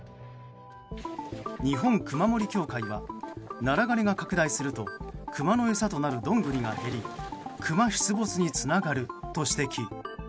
日本熊森教会はナラ枯れが拡大するとクマの餌となるドングリが減りクマ出没につながると指摘。